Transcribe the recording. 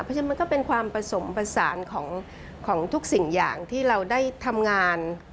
เพราะฉะนั้นมันก็เป็นความผสมผสานของทุกสิ่งอย่างที่เราได้ทำงาน